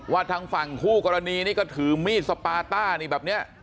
ทางฝั่งคู่กรณีนี่ก็ถือมีดสปาต้านี่แบบนี้